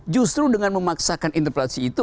justru dengan memaksakan interpelasi itu